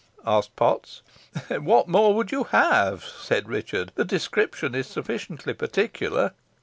asked Potts. "What more would you have?" said Richard. "The description is sufficiently particular."